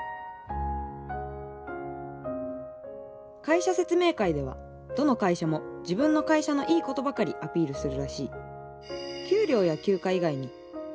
会社説明会ではどの会社も自分の会社のいいことばかりアピールするらしい。